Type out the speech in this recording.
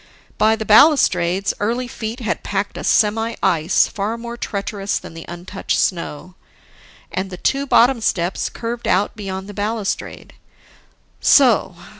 By the balustrades, early feet had packed a semi ice far more treacherous than the untouched snow; and, the two bottom steps curved out beyond the balustrade. So